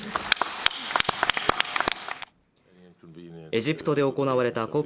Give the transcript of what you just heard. エジプトで行われたＣＯＰ